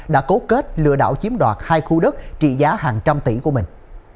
đã cấu kết lừa đảo chiếm đoạt hai khu đất trị giá hàng trăm tỷ của mình